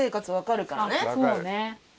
そうね。